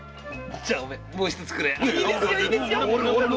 じゃもう一つくれ。